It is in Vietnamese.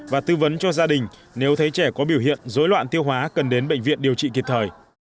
và tư vấn cho gia đình nếu thấy trẻ có biểu hiện dối loạn tiêu hóa cần đến bệnh viện điều trị kịp thời